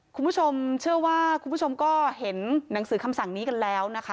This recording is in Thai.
คุณผู้ชมเชื่อว่าคุณผู้ชมก็เห็นหนังสือคำสั่งนี้กันแล้วนะคะ